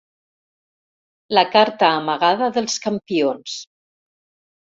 La carta amagada dels campions.